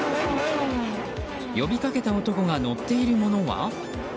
呼びかけた男が乗っているものは。